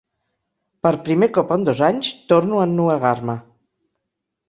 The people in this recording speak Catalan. Per primer cop en dos anys torno a ennuegar-me.